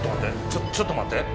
ちょちょっと待って。